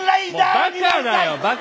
もうバカだよバカ！